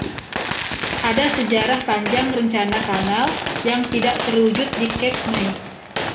Ada sejarah panjang rencana kanal yang tidak terwujud di Cape May.